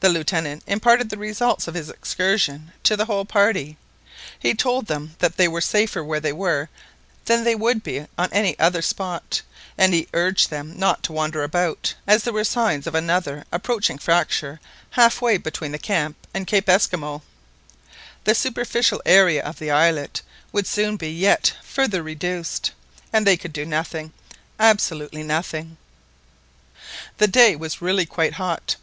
The Lieutenant imparted the results of his excursion to the whole party. He told them that they were safer where they were than they would be on any other spot, and he urged them not to wander about, as there were signs of another approaching fracture half way between the camp and Cape Esquimaux. The superficial area of the islet would soon be yet further reduced, and they could do nothing, absolutely nothing. The day was really quite hot.